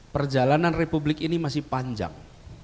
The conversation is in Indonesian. perjalanan republik ini masih panjang